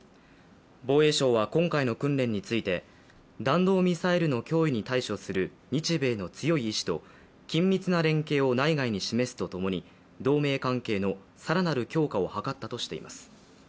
防衛省は今回の訓練について、弾道ミサイルの脅威に対処する日米の強い意思と緊密な連携を内外に示すとともに同盟関係の更なる強化を図ったとしています。